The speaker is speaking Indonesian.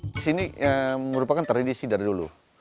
di sini merupakan tradisi dari dulu